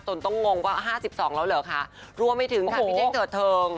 ต้องงงว่า๕๒แล้วเหรอคะรวมไปถึงค่ะพี่เท่งเถิดเทิง